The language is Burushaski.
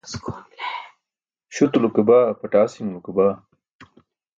Śutulo ke baa, pʰatasiṅulo ke baa.